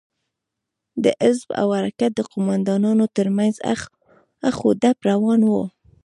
د حزب او حرکت د قومندانانو تر منځ اخ و ډب روان و.